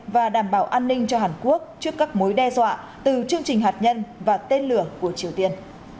và đảm bảo an ninh cho hàn quốc trước các mối đe dọa từ chương trình hạt nhân và tên lửa của triều tiên